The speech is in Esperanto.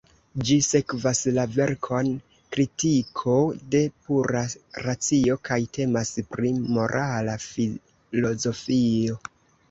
Ĝi sekvas la verkon "Kritiko de Pura Racio" kaj temas pri morala filozofio.